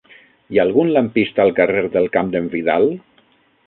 Hi ha algun lampista al carrer del Camp d'en Vidal?